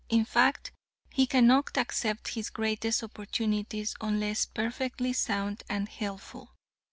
"In fact, he cannot accept his greatest opportunities unless perfectly sound and healthful.